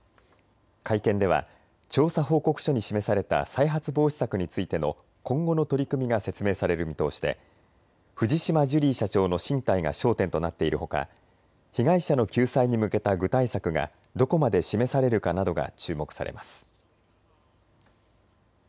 会見では調査報告書に示された再発防止策についての今後の取り組みが説明される見通しで藤島ジュリー社長の進退が焦点となっているほか、被害者の救済に向けた具体策がどこまで示されるかなどが注目されます。